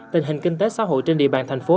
tình hình kinh tế xã hội trên địa bàn thành phố